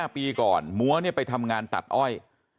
ปีก่อนมัวไปทำงานตัดอ้อย